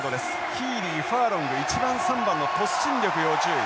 ヒーリーファーロング１番３番の突進力要注意。